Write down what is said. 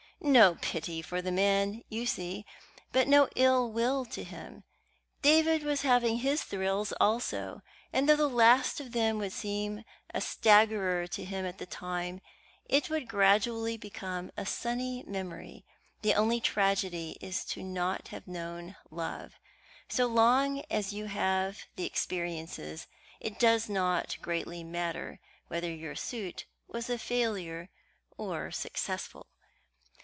No pity for the man, you see, but no ill will to him. David was having his thrills also, and though the last of them would seem a staggerer to him at the time, it would gradually become a sunny memory. The only tragedy is not to have known love. So long as you have the experiences, it does not greatly matter whether your suit was a failure or successful.